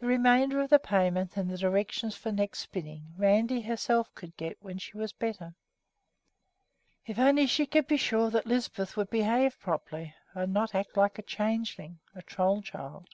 The remainder of the payment and the directions for the next spinning Randi herself could get when she was better. If she could only be sure that Lisbeth would behave properly and not act like a changeling, a troll child!